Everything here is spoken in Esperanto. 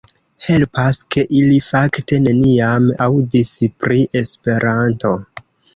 Helpas, ke ili fakte neniam aŭdis pri Esperanto.